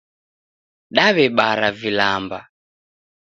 Daw'ebara vilamba